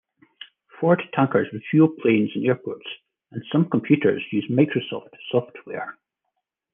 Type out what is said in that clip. Ford tankers refuel planes in airports and some computers use Microsoft software.